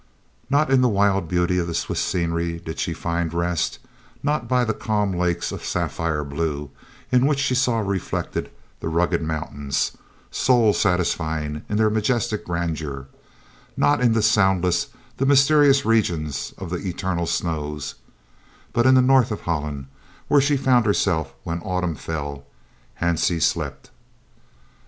Not in the wild beauty of the Swiss scenery did she find rest, not by the calm lakes of sapphire blue in which she saw reflected the rugged mountains, soul satisfying in their majestic grandeur, not in the soundless, the mysterious regions of the eternal snows but in the north of Holland, where she found herself when autumn fell, Hansie slept.